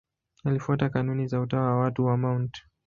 Alifuata kanuni za Utawa wa Tatu wa Mt.